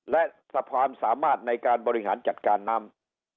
และสะพานสามารถในการบริหารจัดการน้ำ